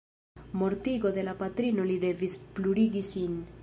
Por mortigo de la patrino li devis purigi sin.